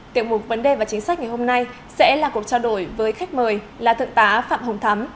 tiểu mục vấn đề và chính sách ngày hôm nay sẽ là cuộc trao đổi với khách mời là thượng tá phạm hồng thắm